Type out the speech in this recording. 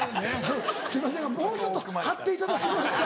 すいませんがもうちょっと張っていただけますか？